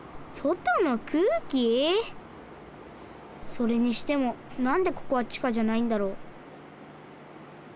それにしてもなんでここは地下じゃないんだろう？